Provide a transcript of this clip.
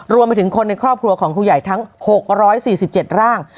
รวมไปถึงคนในครอบครัวของครูใหญ่ทั้ง๖๔๗ร่าง